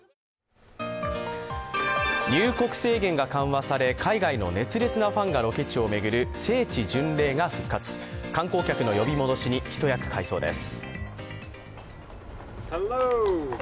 入国制限が緩和され、海外の熱烈なファンがロケ地を巡る聖地巡礼が復活、観光客の呼び戻しに一役買いそうです。